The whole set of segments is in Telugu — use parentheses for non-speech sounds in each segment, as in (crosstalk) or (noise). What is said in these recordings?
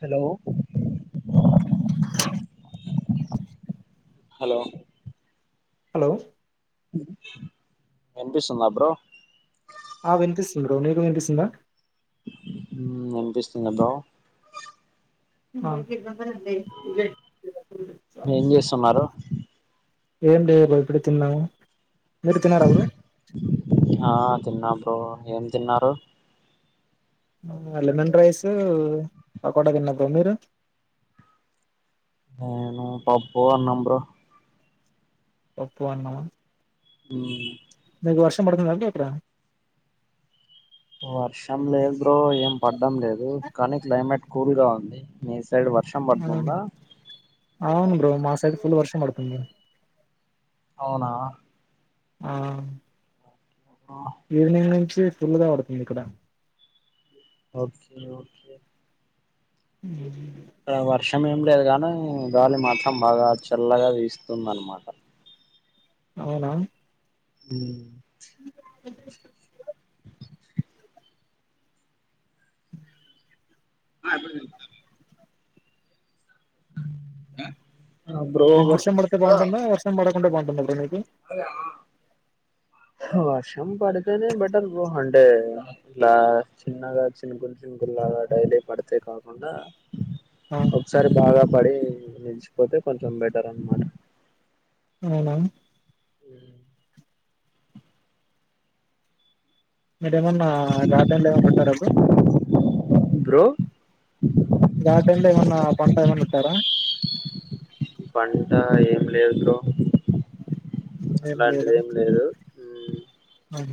Hello hello! హలో! విన్పిస్తుందా బ్రో ఆ విన్పిస్తుంది బ్రో నీకు విన్పిస్తుందా ఇన్పిస్తుంది బ్రో డి ఏం చేస్తున్నారు ఏం లేదు ఇప్పుడే తిన్నా. మీరు తిన్నారా బ్రో ఆ తిన్నా బ్రో ఏం తిన్నారు? లెమన్ రైస్, పకోడ తిన్నా బ్రో, మీరు? నేను పప్పు, అన్నం బ్రో పప్పు అన్నమా మ్ మీకు వర్షం పడుతుంది బ్రో అక్కడ వర్షం లేద్ బ్రో ఏం పడ్డం లేదు కనీ క్లైమేట్ కూల్గా ఉంది. నీ సైడ్ వర్షం పడుతుందా? అవును బ్రో మా సైడ్ ఫుల్ వర్షం పడుతుంది. అవునా ఆ ఈవెనింగ్ నుంచి ఫుల్గా పడుతుంది ఇక్కడ ఓకే ఓకే ఉ ఇక్కడ వర్షం ఏం లేదు గానీ గాలి మాత్రం బాగా చల్లగా వీస్తుందన్మాట. అవునా మ్ అ నీక్ వర్షం పడ్తే బాగుంటుందా వర్షం పడకుంటే బాగుంటుందా బ్రో నీ అదా వర్షం పడితేనే బెటర్ బ్రో అంటే ఇలా చిన్నగా చినుకుల్ చినుకులు గా డైలీ పడ్తే కాకుండా ఆ ఒక్సారి బాగా పడి నిలిచిపోతే కొంచం బెటర్ అన్మాట. అవునా మీరేమన్నా గార్డెన్లో ఏమన్న పెట్టార బ్రో బ్రో గార్డన్లో ఏమన్నా పంట ఏమన్న పెట్టారా లేద్ బ్రో ఏం అలాంటిదేం లేదు. ఆహ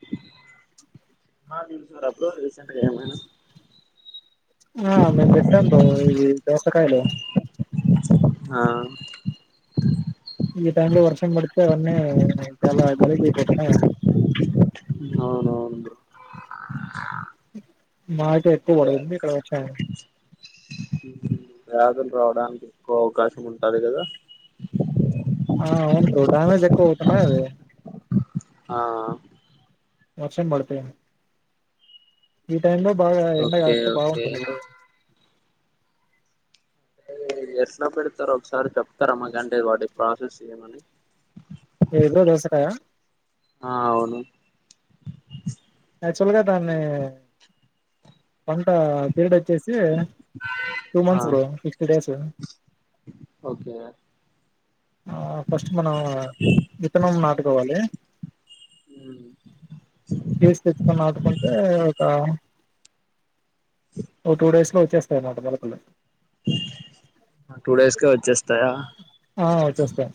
(unintelligible) రీసెంట్ ఏమైనా ఆ మేం పెట్టాం బ్రో ఈ దోసకాయలు ఆ ఈ టైంలో వర్షం బడితే అవన్నీ చాలా గలీజ్ అయిపోతయి కదా అవునవున్ బ్రో మాకే ఎక్కువ పడింది ఇక్కడ (unintelligible) వ్యాధుల్ రావడానికి ఎక్కో అవకాశం ఉంటాది కదా ఆ అవును బ్రో డామేజ్ ఎక్కువ అవుతున్నాయ్ అవి ఆ వర్షం బడితే ఈ టైమ్ లో బాగా ఎండ ఓకే కాస్తే ఓకే బాగుంటుంది బ్రో ఎట్లా పెడతరో ఒకసారి చెప్తార మాకంటే వాటి ప్రాసెస్ ఏమని ఏది బ్రో దోసకాయ ఆ అవును యాక్చువల్ గా దాన్ని పంట పిడోచ్చేసి స్ టూ ఆ మంత్స్ బ్రో ఫ్రిప్త్ డేస్ ఓకే ఆ ఫస్ట్ మనం విత్తనం నాటుకోవాలి కేస్ తెచ్చుకొని నాటుకుంటే ఒక ఓ టూ డేస్ లో వచ్చేస్తాయి అన్మాట మొలకలు టూ డేస్ కే వచ్చేస్తాయా ఆ వచ్చేస్తాయి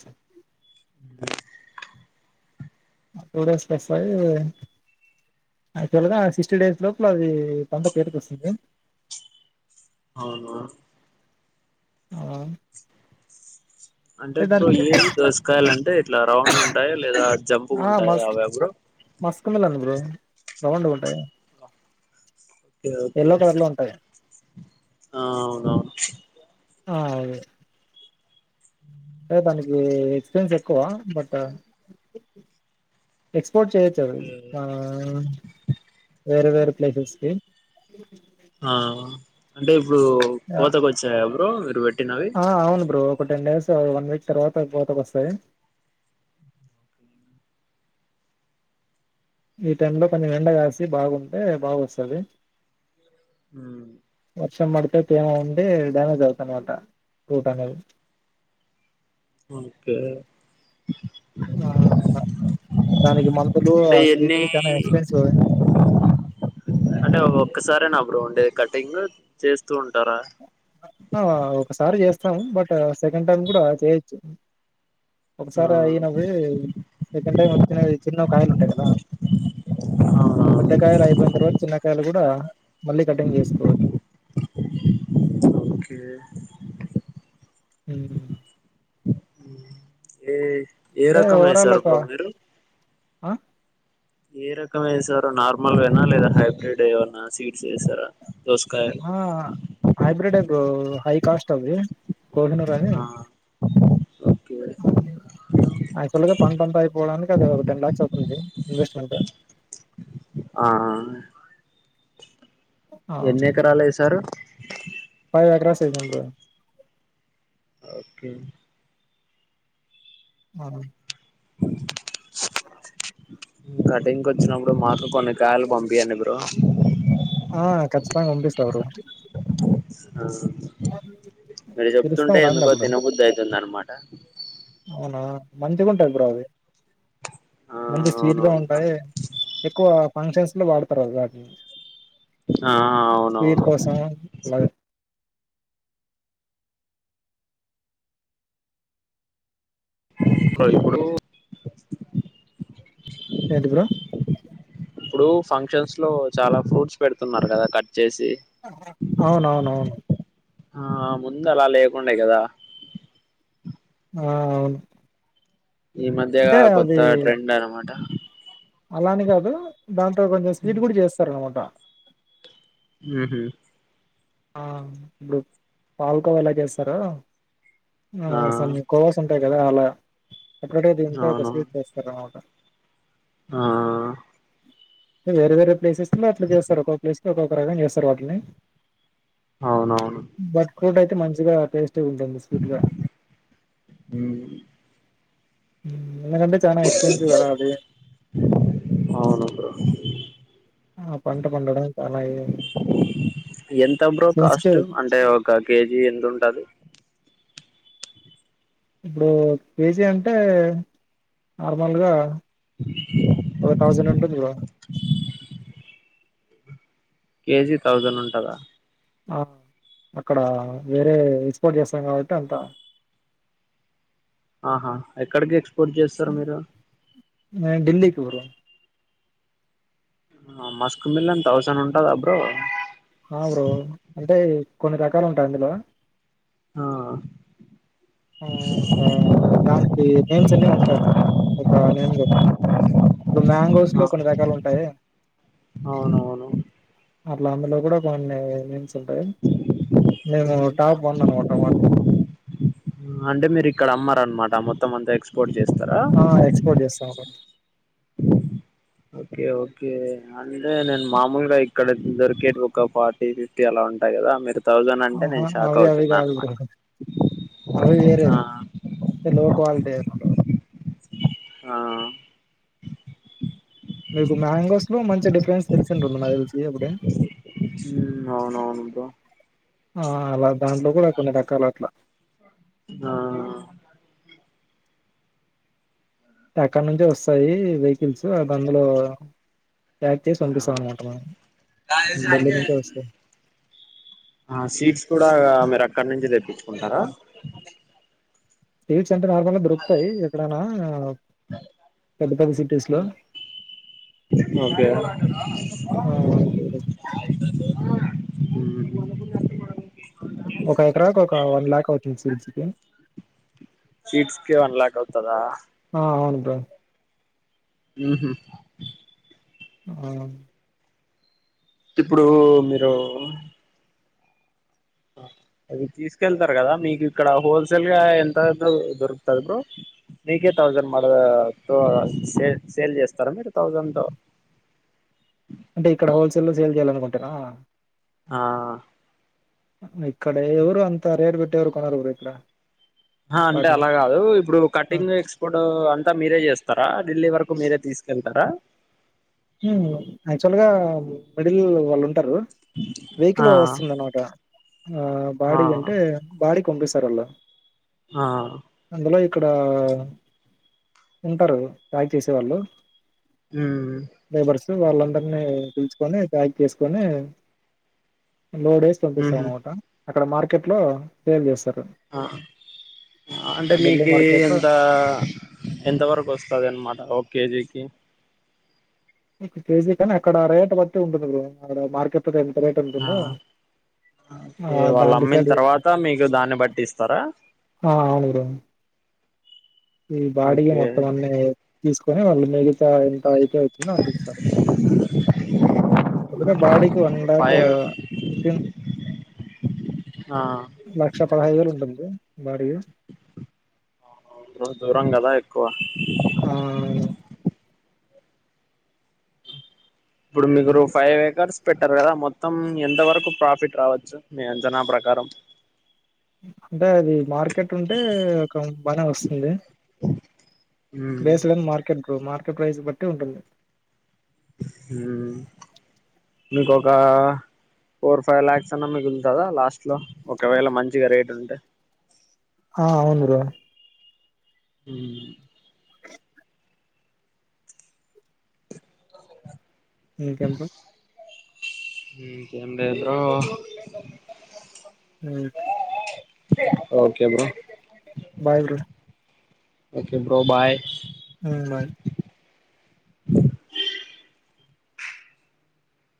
టుడేస్ కొస్తాయి యాక్చువల్గా సిక్స్టీ డేస్ లోపల అది పంట చేతికి వస్తుంది అవునా ఆ అంటే ఇప్పుడు ఏవి దొసకాయాలంటే ఇట్లా రౌండ్ ఉంటాయి లేదా జంపుగుంటాయ అవ బ్రో మస్క్మిలన్ రౌండ్ గుంటాయి కే ఓకే ఉంటాయి ఆ అవునవును ఆది అదే దానికి ఎక్స్పీరియన్స్ ఎక్కువ బట్ పోట్ చేయొచ్చు ఓకే ఆ వేరే వేరె ప్లేసేస్కి ఆ అంటే ఇప్పుడు ఆ కోతకి వచ్చాయా బ్రో మీరు పెట్టినవి ఆ, అవును బ్రో ఒక టెన్ డేస్ వన్ వీక్ తర్వాత కోతకొస్తాయి ఈ టైం లో కొంచం ఎండ కాసి బాగుంటే బాగోస్తది మ్మ్. వర్షం పడితే తేమా ఉంటే డ్యామేజ్ అవుదన్మాట ఫ్రూట్ అనేది (unintelligible) (inaudible) ఓకే ఆ నెల దానికి మళ్ ఇప్పుడు ఆ అంటే ఎన్ని స్వీట్స్ కన్న ఎక్స్పెన్సివే అంటే ఒక్కసారే నా బ్రో ఉండేద్ కటింగ్ చేస్ ఆ ఒకసారి చేస్ స్తం బట్ సెకండ్ టైమ్ కూడా చేయొచ్చు ఆ ఒకసారి అయినవి సెకండ్ టైమ్ వచ్చినవి చిన్న కాయలుంటాయి కదా అవునా పెద్దకాయలు అయిపోయిన్ తర్వాత చిన్నకాయలు కూడా మళ్ళీ కటింగ్ చేసుకో ఓకే ఉ ఏ ఏ అంటే రకమ్ ఓవరాల్ ఎసార్ ఒక బ్రో మీరు ఆ ఏ రకం ఎసారు నార్మల్వేనా లేదా హైబ్రిడ్ ఏమన్నా సీడ్స్ ఎసారా ఆ హైబ్రిడే బ్రో హై కాస్ట్ అవ్వి కోహినూరు అని ఆ ఓకే యాక్చువల్ గా పంటంత అయిపోవడానికి అది ఒక టెన్ లాక్స్ అవుతుంది ఇన్వెస్ట్మెంట్ ఆ ఆ! ఎన్ని ఎకరాలేసారు ఫైవ్ ఎక్రాస్ ఎసాం బ్రో ఓకే మనం కటింగ్ కోచ్చినప్పుడు మాత్ కొన్నికాయల్ పంపియండి బ్రో ఆ! ఖచ్చితంగా పంపిస్తా బ్రో. ఆ మీరు పిలుస్తాం చెప్తుంటే రండి ఎందుకో అప్పుడు. తినబుద్ధయితుందన్నమాట అవునా మంచిగుంటాయి బ్రో అవి మంచి స్వీట్ గా అవునవును బ్రో ఉంటాయి ఎక్కువ ఫంక్షన్స్ లో వాడతారవి వాటిని ఆ స్వీట్ అవునవును కోసం అలగా కోయిప్పుడు ఏంటి బ్రో ఇప్పుడు ఫంక్షన్స్ లో చాలా ఫ్రూట్స్ పెడుతున్నారు గదా కట్ చేసి అవునవునవును ఆ ముందలా లేకుండే గదా ఆ అవును ఈ మధ్యగా అంటే కొత్త ట్రెండన్నమాట అలా అని కాదు దాంతో కొంచెం స్వీట్ కూడ చేస్తారు అన్నమాట ఉహు ఆ ఇప్పుడు పాల్కోవా ఎలా చేస్తారో ఆ అసలు మీక్ కోవాస్ ఉంటాయి కదా అలా ఒకటే దీంతో ఒక అవును స్వీట్ చేస్తారన్నమాట ఆ ఆ వేరే వేరే ప్లేసెస్ లో అట్ల చేస్తారు ఒక్కొక్క ప్లేస్ కి ఒక్కొక్క రకం చేస్తారు వాట్లని అవునవును ఫ్రూట్ అయితే మంచిగా టేస్టిగుంటుంది స్వీట్ గా ఉ ఎందుకంటే చానా ఎక్స్పెన్సివ్ కదా అది అవును బ్రో ఆ పంట పండడం చాలా ఏం ఎంత బ్రో కాస్ట్ అంటే ఒక కేజీ ఎంతుటది ఇప్పుడు కేజీ అంటే నార్మల్గా (unintelligible) (inaudible) ఒక థౌజండ్ ఉంటుంది బ్రో కేజీ థౌజండ్ ఉంటదా ఆ అక్కడ వేరే ఎక్స్పోర్ట్ చేస్తాం కాబట్టి అంత ఆహా ఎక్కడికి ఎక్స్పోర్ట్ చేస్తారు మీరు వరు ఆ మస్కు మిలాన్ థౌసండ్ ఉంటద బ్రో ఆ బ్రో అంటే కొన్ని రకాలు ఉంటాయి అందులో ఆ ఆ ఇంకా దానికి నేమ్స్ అన్ని ఉంటాయన్నమాట ఒక నేమ్స్ ఒకటి ఇప్పుడు మ్యాంగోస్ లో కొన్ని రకాలు ఉంటాయే అవునవును అట్లా అందులో కూడా కొన్ని నేమ్స్ ఉంటయి మేము టాప్ వన్ అనమాట మాకు అంటే మీరు ఇక్కడ అమ్మర అన్నమాట మొత్తం అంతా ఎక్స్పోర్ట్ చేస్తరా ఎక్స్పోర్ట్ చేస్తాం బ్రో. ఓకే ఓకే అంటే నేన్ మామూలుగాయి ఇక్కడ దొరికేట్ ఒక ఫార్టీ ఫిఫ్టీ అలా ఉంటాయి కదా మీరు థౌజండ్ అంటే ఆహా, నేను షాక్ అవి అవి అవుతున్నా కాదు బ్రో అనమాట అవి వేరే ఆ లౌక్వాలిటీ ఐనుటయి ఆ మీకు మ్యాంగోస్ లో మంచి డిఫరెన్స్ తెలిసింటుంది నా తెలిసి ఇప్పుడే హ్మ్ అవునవును బ్రో ఆ అలా దాంట్లో కూడా కొన్ని రకలు అట్లా ఆ ఎక్కడ నుంచే వస్తాయి వెహికల్స్ అవందులో ప్యాక్ చేసి ఆ పంపిస్తాం అనమాట మనం ఢిల్లీ నుంచే వస్తేది ఆ సీడ్స్ కూడా మీరు అక్కడి నుంచే తెప్పించుకుంటారా సీడ్స్ అంటే నార్మల్ గా దొరుకుతాయి ఎక్కడనా పెద్ద పెద్ద సిటీస్ లో ఓకే ఆ అంతే ఊహ్మ్ ఒక ఎకరాకు ఒక వన్ లఖ్ అవుతుంది సీడ్స్ కీ సీడ్స్కె వన్ లఖ్ అవుతదా ప్ర ఊహ్మ్ ఆ ఇప్పుడు మీరు అది తీసుకెళ్తారు కదా మీకు ఇక్కడ హోల్సేల్ గా ఎంత దొరుకుతుంది బ్రో నీకే థౌసండ్ మ త స సేల్ చేస్తారా మీరు థౌసండ్తో ట ఆ ఇక్కడ ఎవరు అంత రేట్పెట్టి ఎవరు కొనరు బ్రో ఇక్కడ ఆ అంటే వాటిని అలా కాదు ఇప్పుడు కటింగ్ ఎక్స్పర్ట్ అంటే అంత మీరే చేస్తారా ఢిల్లీ వరకు మీరే తీసుకెళ్తారా హ్మ్ యాక్చువల్గా మిడిల్ వాళ్ళు ఉంట ఉంటారు వెహికల్ ఆ వస్తుంద అనమాట ఆ ఆ బాడీ అంటే బాడికి పంపిస్తారులు హ ఇక్కడ ఉంటారు ప్యాక్ చేసేవాళ్ళు ఆ లేబర్స్ వాళ్ళందరినీ పిలుచుకొని ప్యాక్ చేసుకొని లోడ్ ఎసి పంపిస్తాం ఉహు అనమాట అక్కడ మార్కెట్ లో సేల్ చేస్తారు ఆ అంటే ఢిల్లీ మీకీ మార్కెట్ లో ఎంత ఎంత వరకు వస్తుంది అనమాట ఓ కేజీకి ఒక కేజీ కానీ అక్కడ రేట్ బట్టి ఉంటుంది బ్రో అక్కడ మార్కెట్ ఎంత రేట్ ఉంటుందో ఆ కే వాళ్ళు దాన్ని అమ్మిన డిసైడ్ తర్వాత మీకు దాన్ని బట్టి ఇస్తారా ఆ అవునుబ్రో ఈ బాడకి ఓకే మొత్తం అన్ని తీసుకొని వాళ్ళు మిగతా ఎంత అయితే వతుందో అంతిస్తారు చల్లగాలి బాడీకి ఇప్పుడు అందాక ఫైవ్ ఓకె ఆ (inaudible) లక్ష పదహైదు వేలు ఉంటంది బాడి బ్రో దూరం కదా ఎక్ గా ఇప్పుడు మీకు రు ఫైవ్ ఏకర్స్ పెట్టారు కదా మొత్తం ఎంత వరకు ప్రాఫిట్ రావచ్చు అంచనా ప్రక కారం అంటె అది మార్కెట్ ఉంటే ఒక బానే వస్తుంది మ్మ్ బేస్లోని మార్కెట్ మార్కెట్ ప్రైస్ బట్టి ఉంటుంది ఊమ్ ఇంకొక ఫోర్ ఫైవ్ ల్యాక్స్ అన్న మిగుల్తదా లాస్ట్ లో ఒకవేళ మంచిగ రేట్ ఉంటె ఆ అవును బ్రో ఉమ్ ఇంకేంటి ఇంక ఉండే బ్రో ఉక్ okay bro bye bro okay bro bye హుమ్ బాయ్